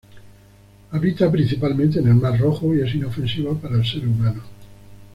Habita principalmente en el Mar Rojo y es inofensivo para el ser humano.